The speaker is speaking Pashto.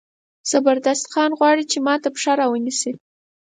زبردست خان غواړي چې ما ته پښه را ونیسي.